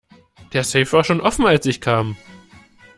Der Safe war schon offen als ich kam.